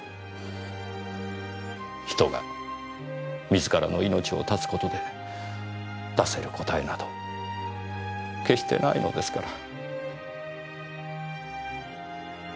人が自らの命を絶つ事で出せる答えなど決してないのですから。